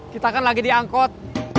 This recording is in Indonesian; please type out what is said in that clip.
kita kan lagi diangkut